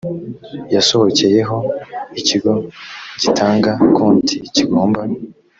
yasohokeyeho ikigo gitanga konti kigomba